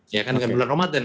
ya kan dengan bulan ramadan